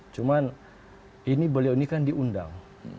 cuman ini beliau ini kan diundang